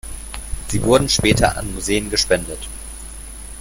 Sie wurden später an Museen gespendet.